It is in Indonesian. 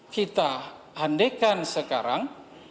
kita andekan sekarang